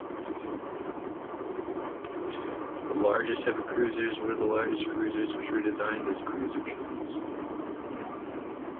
The largest heavy cruisers were the large cruisers, which were designed as "cruiser killers".